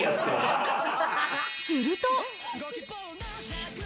すると。